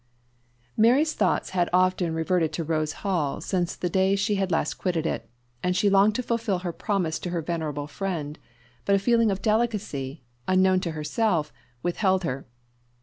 _ MARY's thoughts had often reverted to Rose Hall since the day she had last quitted it, and she longed to fulfil her promise to her venerable friend; but a feeling of delicacy, unknown to herself, withheld her.